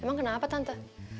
emang kenapa tante